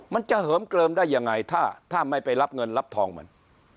มันจะเหิมเกลิมได้ยังไงถ้าไม่ไปรับเงินรับทองมัน